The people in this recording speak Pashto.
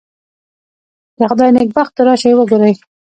د خدای نېکبختو راشئ وګورئ.